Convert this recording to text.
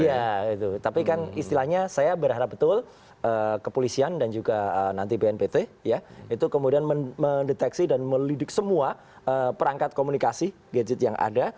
iya itu tapi kan istilahnya saya berharap betul kepolisian dan juga nanti bnpt ya itu kemudian mendeteksi dan melidik semua perangkat komunikasi gadget yang ada